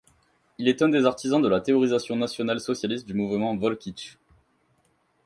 Il est un des artisans de la théorisation nationale-socialiste du mouvement Völkisch.